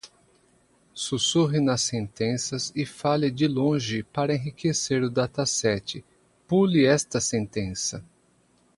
Sussurre nas sentenças e fale de longe para enriquecer o dataset, pule esta sentença